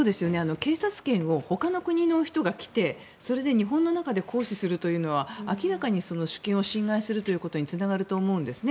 警察権をほかの国の方が来てそれで日本の中で行使するというのは明らかに主権を侵害することにつながると思うんですね。